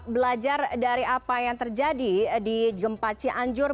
belajar dari apa yang terjadi di gempa cianjur